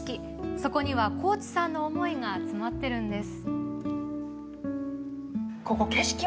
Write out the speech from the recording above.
そこには幸地さんの思いが詰まっているんです。